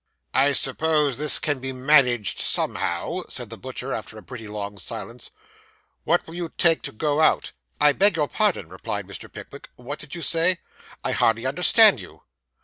'I suppose this can be managed somehow,' said the butcher, after a pretty long silence. 'What will you take to go out?' I beg your pardon,' replied Mr. Pickwick. 'What did you say? I hardly understand you.